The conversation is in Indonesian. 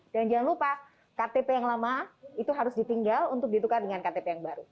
dan jangan lupa ktp yang lama itu harus ditinggal untuk ditukar dengan ktp yang baru